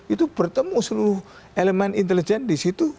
itu bertemu seluruh elemen intelijen disitu